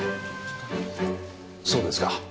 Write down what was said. そうですか。